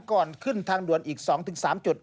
ก่อนขึ้นทางด่วนอีก๒๓จุด